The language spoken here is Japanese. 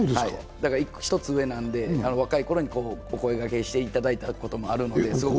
１つ上なんで若いころにお声がけしていただいたこともあるんで。